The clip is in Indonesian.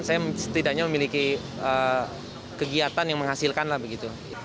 saya setidaknya memiliki kegiatan yang menghasilkan lah begitu